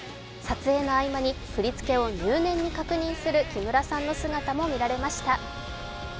撮影の合間に振り付けを入念に確認する木村さんの姿も見られました。